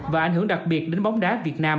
và ảnh hưởng đặc biệt đến bóng đá việt nam